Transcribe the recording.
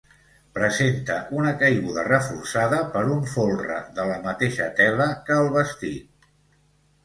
Presenta una caiguda reforçada per un folre de la mateixa tela que el vestit.